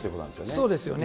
そうですよね。